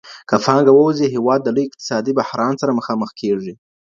که پانګه ووځي هیواد د لوی اقتصادي بحران سره مخامخ کیږي.